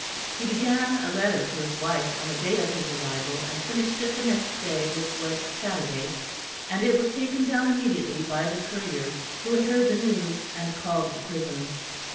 He began a letter to his wife on the day of his arrival and finished it the next day which was Saturday, and it was taken down immediately by the courier who had heard the news and had called at the prison.